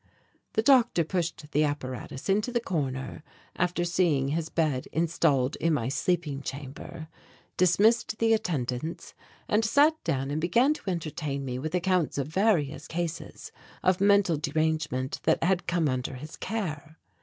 The doctor pushed the apparatus into the corner, and, after seeing his bed installed in my sleeping chamber, dismissed the attendants and sat down and began to entertain me with accounts of various cases of mental derangement that had come under his care.